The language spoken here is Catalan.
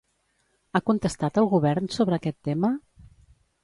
Ha contestat el govern sobre aquest tema?